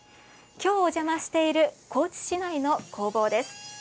きょう、お邪魔している高知市内の工房です。